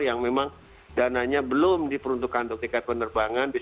yang memang dananya belum diperuntukkan untuk tiket penerbangan